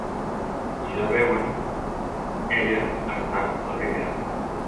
I ja veuen ella ha estat la primera.